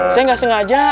saya gak sengaja